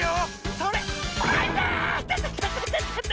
それ！